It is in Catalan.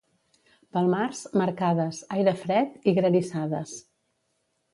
Pel març, marcades, aire fred i granissades.